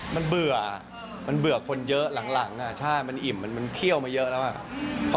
มันเบื่อมันเบื่อคนเยอะหลังใช่มันอิ่มมันเที่ยวมาเยอะแล้วอ่ะ